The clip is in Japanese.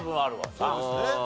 そうですね。